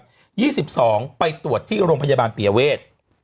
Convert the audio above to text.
๒๒มกราเวิร์คฟอร์มโฮมไปตรวจที่โรงพยาบาลเปียเวท